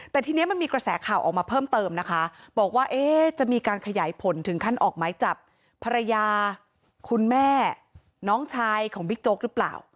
แต่ทีนี้มันมีกระแสข่าวออกมาเพิ่มเติมนะคะบอกว่าจะมีการขยายผลถึงขั้นออกไม้จับภรรยาคุณแม่น้องชายของบิ๊กโจ๊กหรือเปล่า